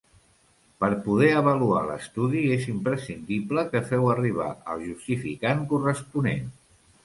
Per poder avaluar l'estudi és imprescindible que feu arribar el justificant corresponent.